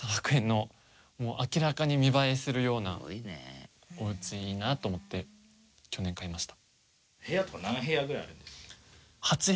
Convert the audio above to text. もう明らかに見栄えするようなお家いいなと思って去年買いました。